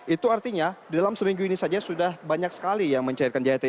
itu artinya dalam seminggu ini saja sudah banyak sekali yang mencairkan jahit